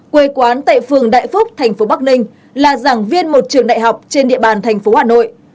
quê quán tại phường đại phúc tp bắc ninh là giảng viên một trường đại học trên địa bàn tp hà nội